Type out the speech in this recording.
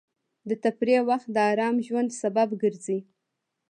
د تفریح وخت د ارام ژوند سبب ګرځي.